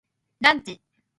ランチ